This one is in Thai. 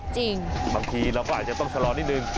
จริงบางทีเราก็อาจจะต้องชะลอนิดนึง